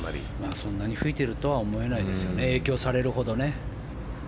そんなに吹いているとは思えないですよね影響されるほどね。